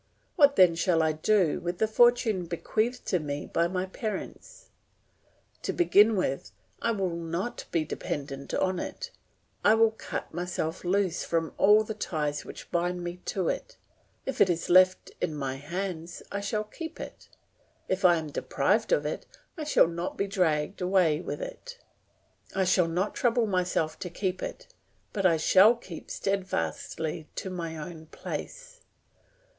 What then shall I do with the fortune bequeathed to me by my parents? To begin with, I will not be dependent on it; I will cut myself loose from all the ties which bind me to it; if it is left in my hands, I shall keep it; if I am deprived of it, I shall not be dragged away with it. I shall not trouble myself to keep it, but I shall keep steadfastly to my own place.